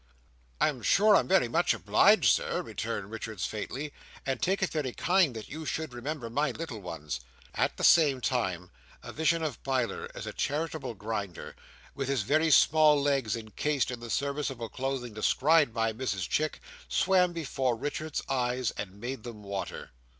"I am sure I am very much obliged, Sir," returned Richards faintly, "and take it very kind that you should remember my little ones." At the same time a vision of Biler as a Charitable Grinder, with his very small legs encased in the serviceable clothing described by Mrs Chick, swam before Richards's eyes, and made them water.